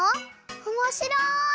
おもしろい！